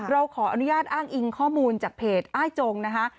เราขออนุญาตอ้างอิงข้อมูลจากเพจอ้ายจงนะคะ